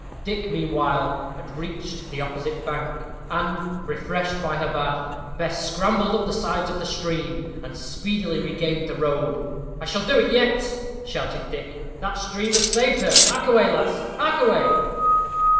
Dick, meanwhile, had reached the opposite bank, and, refreshed by her bath, Bess scrambled up the sides of the stream, and speedily regained the road. "I shall do it yet," shouted Dick; "that stream has saved her. Hark away, lass! Hark away!"